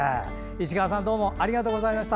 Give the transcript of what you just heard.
石川さんどうもありがとうございました。